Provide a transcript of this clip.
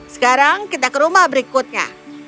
sekarang kita ke rumah berikutnya